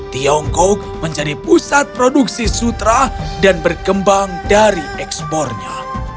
tiongkok menjadi pusat produksi sutra dan berkembang dari ekspornya